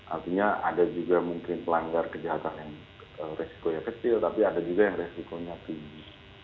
artinya ada juga mungkin pelanggar kejahatan yang resikonya kecil tapi ada juga yang resikonya tinggi